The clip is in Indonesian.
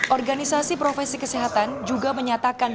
organisasi profesi kesehatan juga menyatakan